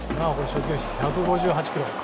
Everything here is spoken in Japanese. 初球１５８キロ。